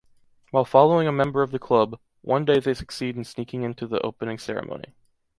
While following a member of the club, one day they succeed in sneaking into the opening ceremony.